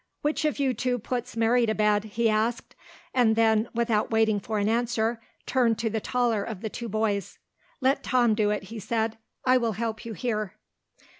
"Which of you two puts Mary to bed?" he asked, and then, without waiting for an answer, turned to the taller of the two boys. "Let Tom do it," he said. "I will help you here."